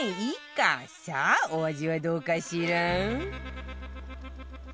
さあお味はどうかしら？